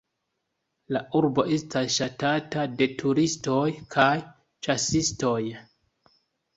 La urbo estas ŝatata de turistoj kaj ĉasistoj.